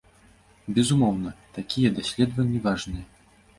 Безумоўна, такія даследаванні важныя.